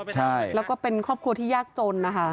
ใช่แล้วก็เป็นครอบครัวที่ยากจนนะคะ